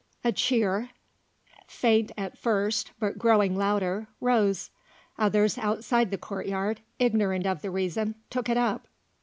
A cheer, faint, at first, but growing louder, rose; others outside the courtyard, ignorant of the reason, took it up.